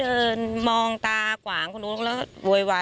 เห็นไนบ้างเหมือนเยี่ยนะคะ